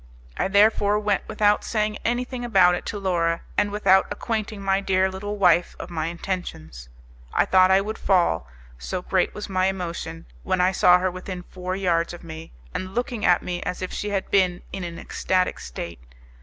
I therefore went without saying anything about it to Laura, and without acquainting my dear little wife of my intentions. I thought I would fall, so great was my emotion, when I saw her within four yards from me, and looking at me as if she had been in an ecstatic state.